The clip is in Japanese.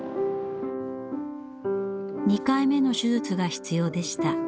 ２回目の手術が必要でした。